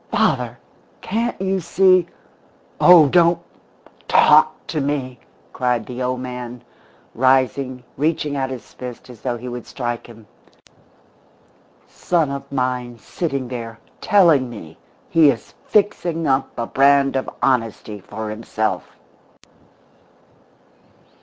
"Father! Can't you see " "Oh, don't talk to me!" cried the old man, rising, reaching out his fist as though he would strike him. "Son of mine sitting there telling me he is fixing up a brand of honesty for himself!"